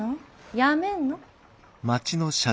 やめんの？